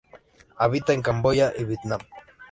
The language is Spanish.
Habita en Camboya y Vietnam.